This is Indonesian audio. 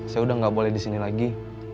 saya udah gak boleh disini lagi